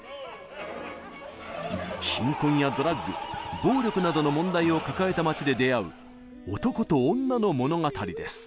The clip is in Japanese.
貧困やドラッグ暴力などの問題を抱えた街で出会う男と女の物語です。